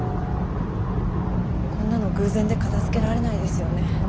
こんなの偶然で片づけられないですよね。